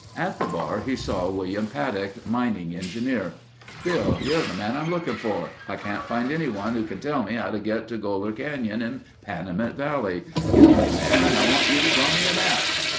At the bar he saw William Paddock, mining engineer. "Bill, you're the man I'm looking for. I can't find anyone who can tell me how to get to Goler Canyon in Panamint Valley. You've been there and I want you to draw me a map."